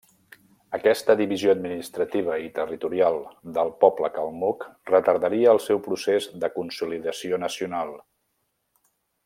Aquesta divisió administrativa i territorial del poble calmuc retardaria el seu procés de consolidació nacional.